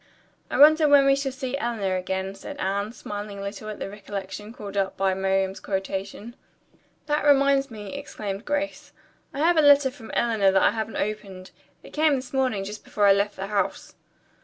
'" "I wonder when we shall see Eleanor again," said Anne, smiling a little at the recollection called up by Miriam's quotation. "That reminds me," exclaimed Grace. "I have a letter from Eleanor that I haven't opened. It came this morning just before I left the house."